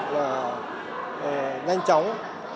là nhanh chóng